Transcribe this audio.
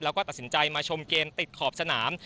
แล้วก็ตัดสินใจมาชมเกมติดขอบสนาม